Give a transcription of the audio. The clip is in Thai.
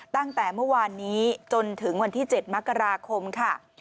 ตั้งแต่เมื่อวานนี้จนถึงวันที่๗มกราคมค่ะ